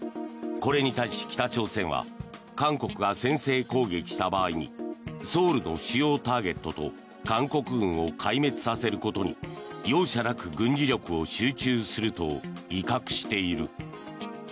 これに対し、北朝鮮は韓国が先制攻撃した場合にソウルの主要ターゲットと韓国軍を壊滅させることに容赦なく軍事力を集中すると威嚇している。